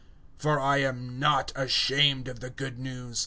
001:016 For I am not ashamed of the Good News.